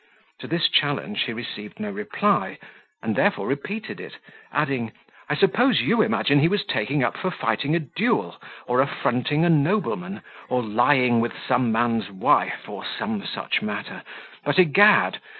To this challenge he received no reply, and therefore repeated it, adding, "I suppose you imagine he was taken up for fighting a duel, or affronting a nobleman, or lying with some man's wife, or some such matter: but, egad!